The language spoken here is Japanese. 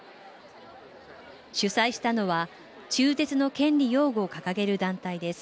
主催したのは中絶の権利擁護を掲げる団体です。